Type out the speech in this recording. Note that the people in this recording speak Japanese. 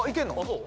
そう？